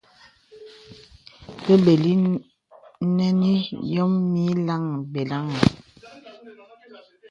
Ke bəlí nənì yǒm mīyï laŋhi beləŋ.